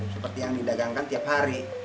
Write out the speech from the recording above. seperti yang didagangkan tiap hari